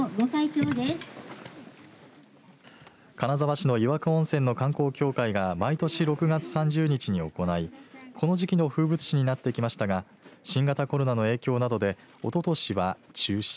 金沢市の湯涌温泉の観光協会が毎年６月３０日に行いこの時期の風物詩になっていましたが新型コロナの影響などでおととしは中止。